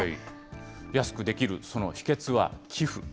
安くできるその秘けつは寄付。